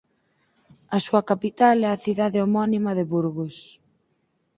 A súa capital é a cidade homónima de Burgos.